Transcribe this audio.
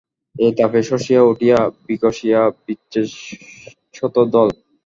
এ তাপে শ্বসিয়া উঠে বিকশিয়া বিচ্ছেদশতদল।